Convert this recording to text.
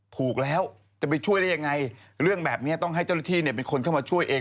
ถูกแล้วจะไปช่วยได้ยังไงเรื่องแบบนี้ต้องให้เจ้าหน้าที่เนี่ยเป็นคนเข้ามาช่วยเอง